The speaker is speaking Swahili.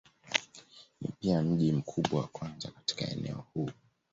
Ni pia mji mkubwa wa kwanza katika eneo huu.